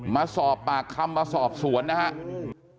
มาสอบปากคำมาสอบสวนนะครับ